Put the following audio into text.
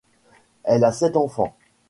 Elle a sept enfants.